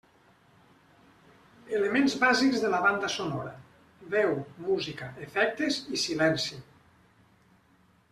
Elements bàsics de la banda sonora: veu, música, efectes i silenci.